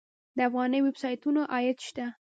د افغاني ویب سایټونو عاید شته؟